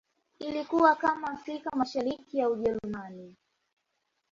Ilikuwa kama Afrika Mashariki ya Ujerumani